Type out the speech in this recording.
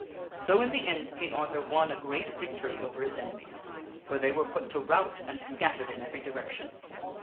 So in the end King Arthur won a great victory over his enemies ; for they were put to rout and scattered in every direction.